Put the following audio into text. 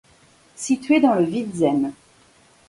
Située dans le Vidzeme.